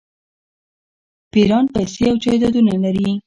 پیران پیسې او جایدادونه لري.